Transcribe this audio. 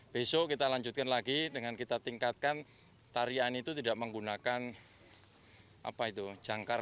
besok kita lanjutkan lagi dengan kita tingkatkan tarian itu tidak menggunakan jangkar